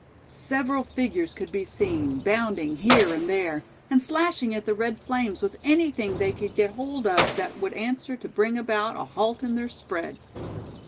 Several figures could be seen, bounding here and there, and slashing at the red flames with anything they could get hold of that would answer to bring about a halt in their spread.